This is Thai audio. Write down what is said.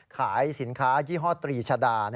ขายสินค้ายี่ห้อตรีชดา